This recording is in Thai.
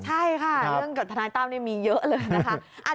ใช่ค่ะเรื่องกับทนายตั้มนี่มีเยอะเลยนะคะ